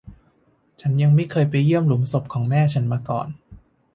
ฉันยังไม่เคยไปเยี่ยมหลุมศพของแม่ฉันมาก่อน